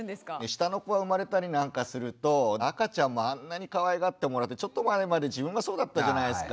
下の子が生まれたりなんかすると赤ちゃんもあんなにかわいがってもらってちょっと前まで自分がそうだったじゃないですか。